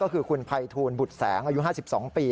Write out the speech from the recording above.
ก็คือคุณภัยทูลบุตรแสงอายุ๕๒ปี